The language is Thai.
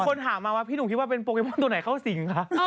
คนถามมาว่าพี่หนุ่มคิดว่าเป็นโปเกมอนตัวไหนเข้าสิงคะ